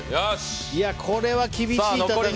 これは厳しい戦いですね。